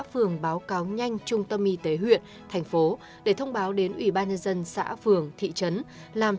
phường báo cáo nhanh trung tâm y tế huyện thành phố để thông báo đến ubnd xã phường thị trấn làm